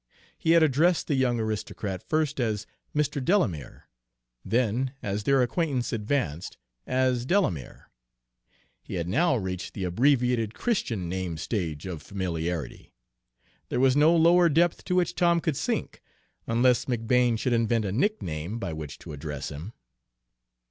He had addressed the young aristocrat first as "Mr. Delamere," then, as their acquaintance advanced, as "Delamere." He had now reached the abbreviated Christian name stage of familiarity. There was no lower depth to which Tom could sink, unless McBane should invent a nickname by which to address him.